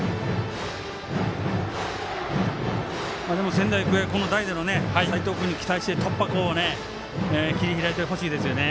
仙台育英は代打の齋藤君に期待して突破口を切り開いてほしいですね。